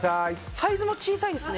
サイズも小さいですね。